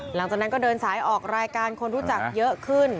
หลังจากนั้นก็เดินสายออกรายการคนรู้จักเยอะขึ้น